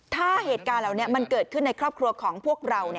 ถ้าเหตุการณ์เหล่านี้มันเกิดขึ้นในครอบครัวของพวกเรา